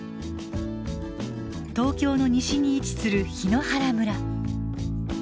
東京の西に位置する檜原村。